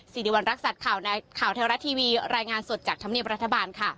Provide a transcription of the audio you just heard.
สิริวัณรักษัตริย์ข่าวเทวรัฐทีวีรายงานสดจากธรรมเนียบรัฐบาลค่ะ